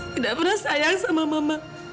tidak pernah sayang sama mama